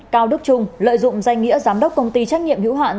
cao đức trung lợi dụng danh nghĩa giám đốc công ty trách nhiệm hữu hạn